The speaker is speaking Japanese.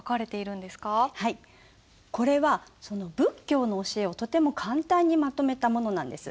これは仏教の教えをとても簡単にまとめたものなんです。